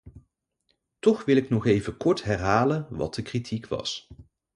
Toch wil ik nog even kort herhalen wat de kritiek was.